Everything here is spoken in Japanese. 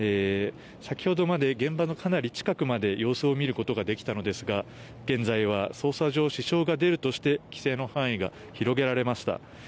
先ほどまで現場のかなり近くまで様子を見ることができたのですが現在は捜査上、支障が出るとして規制の範囲が広げられました。